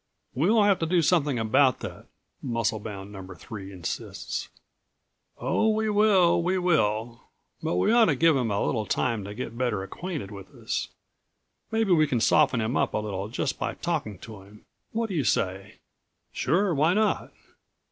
"We'll have to do something about that," Muscle Bound Number Three insists. "Oh, we will ... we will. But we ought to give him a little time to get better acquainted with us. Maybe we can soften him up a little just by talking to him. What do you say?" "Sure, why not?